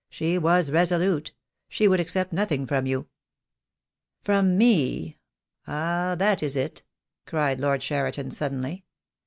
She was resolute — she would accept nothing from you." "From me — ah, that is it!" cried Lord Cheriton, suddenly.